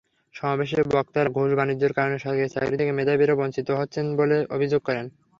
সমাবেশে বক্তারা ঘুষ-বাণিজ্যের কারণে সরকারি চাকরি থেকে মেধাবীরা বঞ্চিত হচ্ছেন বলে অভিযোগ করেন।